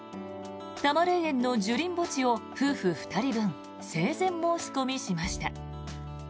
多磨霊園の樹林墓地を夫婦２人分生前申し込みしました。